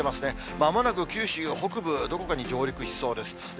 まもなく九州北部、どこかに上陸しそうです。